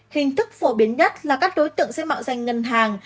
hình thức phổ biến nhất là các đối tượng sẽ mạo danh ngân hàng